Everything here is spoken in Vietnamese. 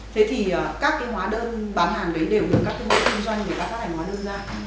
thế thì các cái hóa đơn bán hàng đấy đều được các công ty kinh doanh để bắt hành hóa đơn ra